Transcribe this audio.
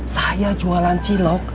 saya jualan cilok